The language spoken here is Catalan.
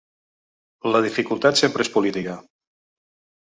La dificultat sempre és política.